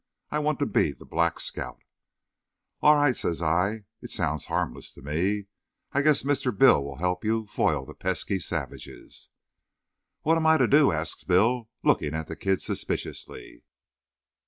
I want to be the Black Scout." "All right," says I. "It sounds harmless to me. I guess Mr. Bill will help you foil the pesky savages." "What am I to do?" asks Bill, looking at the kid suspiciously.